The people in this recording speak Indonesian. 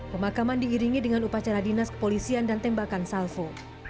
di rumah duka yang diiringi dengan upacara dinas kepolisian dan tembakan salvo